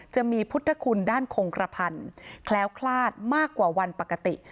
จะมีพุทธคุณด้านคงกระพันธ์แคล้วคลาดมากกว่าวันปกติ